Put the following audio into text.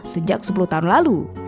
sejak sepuluh tahun lalu